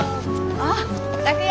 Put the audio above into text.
あっ拓哉！